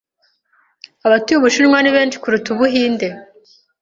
Abatuye Ubushinwa ni benshi kuruta ubw'Ubuhinde.